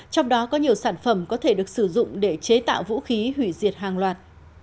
trong đó có nhiều sản phẩm có thể được sử dụng để chế tạo vũ khí hủy diệt hàng loạt